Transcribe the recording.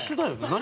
何？